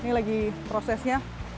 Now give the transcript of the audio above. bang ini lagi prosesnya